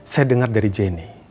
saya dengar dari jenny